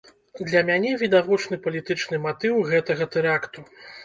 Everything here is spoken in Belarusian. Для мяне відавочны палітычны матыў гэтага тэракту.